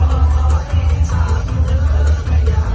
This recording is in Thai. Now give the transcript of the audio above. มันเป็นเมื่อไหร่แล้ว